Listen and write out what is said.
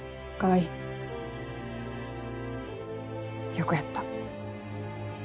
よくやった。